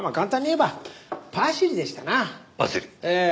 ええ。